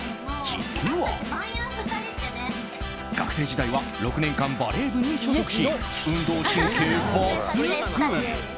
実は、学生時代は６年間バレー部に所属し運動神経抜群。